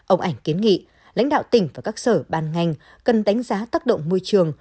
ông ảnh kiến nghị lãnh đạo tỉnh và các sở ban ngành cần đánh giá tác động môi trường